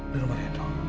di rumah reno